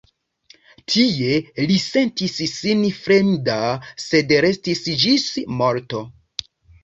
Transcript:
Tie li sentis sin fremda, sed restis ĝis morto.